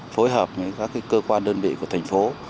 phối hợp với các cơ quan đơn vị của thành phố